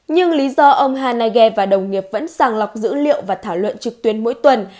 nhưng lý do ông hanage và đồng nghiệp vẫn sàng lọc dữ liệu và thảo luận trực tuyến mỗi tuần